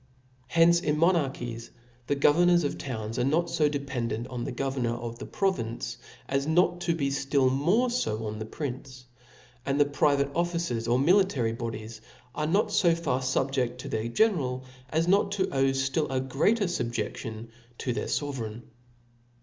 ••• Hence in monarchies the governors of towns are not fo dependent on the governor of the province^ • as not to be ftill more fo on the prince \ and the private officers of military bodies are not fo far fubjeft to their general, as not to owe ftiil a greater fubjedion to their fovereign.